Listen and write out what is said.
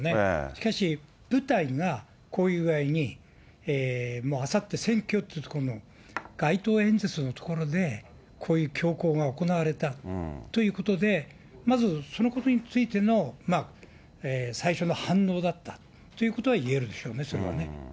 しかし、舞台がこういう具合に、もうあさって選挙っていうところ、街頭演説のところでこういう凶行が行われたということで、まずそのことについての最初の反応だったということは言えるでし